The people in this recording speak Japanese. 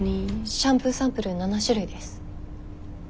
シャンプーサンプル７種類です。